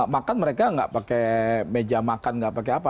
makan mereka enggak pakai meja makan enggak pakai apa